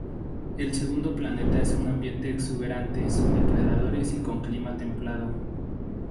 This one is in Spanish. El segundo planeta es un ambiente exuberante sin depredadores y con clima templado.